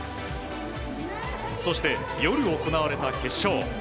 そして、夜行われた決勝。